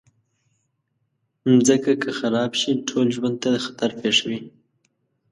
مځکه که خراب شي، ټول ژوند ته خطر پېښوي.